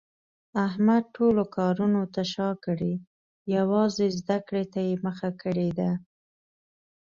احمد ټولو کارونو ته شاکړې یووازې زده کړې ته یې مخه کړې ده.